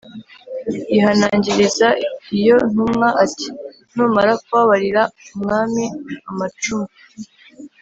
yihanangiriza iyo ntumwa ati “Numara kubarira umwami amacumu